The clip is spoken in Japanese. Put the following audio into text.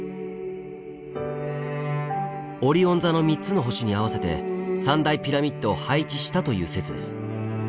オリオン座の３つの星に合わせて３大ピラミッドを配置したという説です。